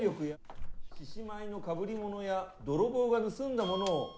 獅子舞のかぶりものや泥棒が盗んだものを。